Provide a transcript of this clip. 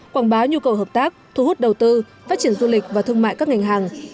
quảng bá nhu cầu hợp tác thu hút đầu tư phát triển du lịch và thương mại các ngành hàng